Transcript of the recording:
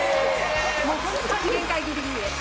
もうホントに限界ギリギリです。